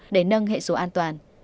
để nâng hệ số an toàn